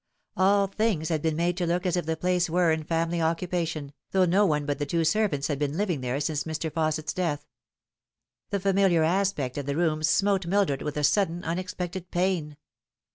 All things had been made to look as if the place were in family occupation, though no one but the two servants had been living there since Mr. Fausset's death. The familiar aspect of the rooms smote Mildred with a sudden unexpected pain.